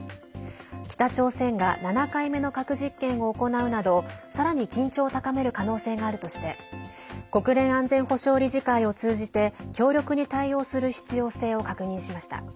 北朝鮮が７回目の核実験を行うなどさらに緊張を高める可能性があるとして国連安全保障理事会を通じて強力に対応する必要性を確認しました。